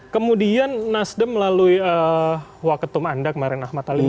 kemudian nasdem melalui waketum anda kemarin ahmad ali